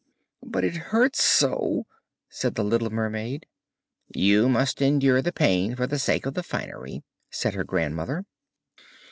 'But it hurts so!' said the little mermaid. 'You must endure the pain for the sake of the finery!' said her grandmother.